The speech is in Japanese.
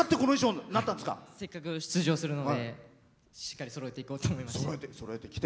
せっかく出場するのでしっかりそろえていこうと思いまして。